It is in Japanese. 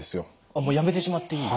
あっもうやめてしまっていい？